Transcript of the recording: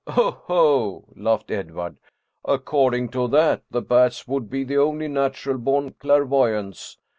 " Oho," laughed Edward, " according to that, the bats would be the only natural born clairvoyants.